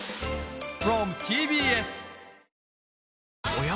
おや？